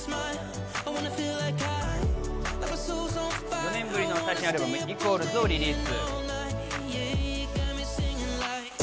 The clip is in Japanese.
４年ぶりの最新アルバム、『＝』をリリース。